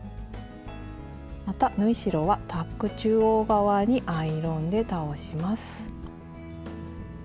また縫い代はタック中央側にアイロンで倒します。